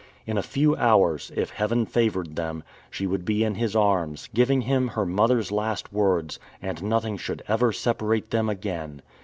In a few hours, if Heaven favored them, she would be in his arms, giving him her mother's last words, and nothing should ever separate them again.